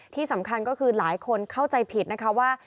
ที่สำคัญก็คือหลายคนเข้าใจผิดนะคะว่า